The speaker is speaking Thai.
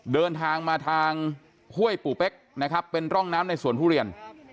เดินทางมาทางห้วยปู่เป๊กนะครับเป็นร่องน้ำในสวนทุเรียน